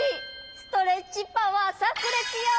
ストレッチパワーさくれつよ！